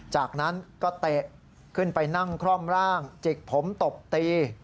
จากนั้นก็เตะขึ้นไปนั่งคล่อมร่างจิกผมตบตี